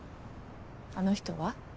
あの人は？